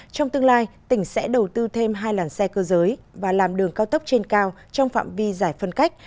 trong tương lai tỉnh sẽ đầu tư thêm hai làn xe cơ giới và làm đường cao tốc trên cao trong phạm vi giải phân cách